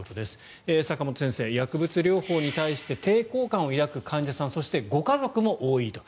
坂元先生、薬物療法に対して抵抗感を抱く患者さん、ご家族も多いと。